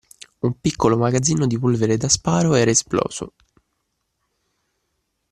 Un piccolo magazzino di polvere da sparo era esploso